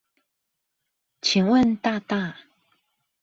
請問大大